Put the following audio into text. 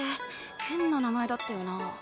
変な名前だったよな。